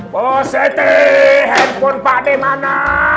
positif handphone padeh mana